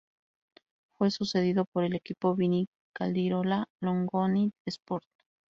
Fue sucedido por el equipo Vini Caldirola-Longoni Sport.